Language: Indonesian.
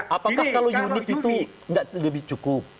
apakah kalau unit itu nggak lebih cukup